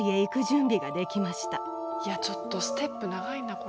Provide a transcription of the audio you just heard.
いやちょっとステップ長いなこれ。